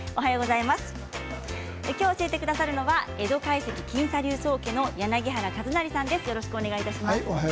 きょう教えてくださるのは江戸懐石近茶流宗家の柳原一成さんです。